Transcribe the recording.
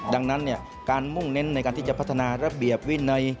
ดังนั้นการมุ่งเน้นในการที่จะพัฒนาระเบียบวินัย